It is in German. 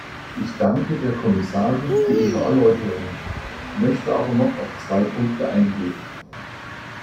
Ich danke der Kommissarin für Ihre Erläuterungen, möchte aber noch auf zwei Punkte eingehen.